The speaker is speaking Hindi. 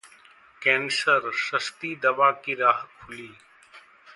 कैंसर: सस्ती दवा की राह खुली